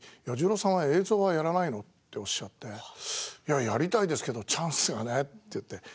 彌十郎さんは映像をやらないの？とおっしゃっていや、やりたいですけどチャンスがねって。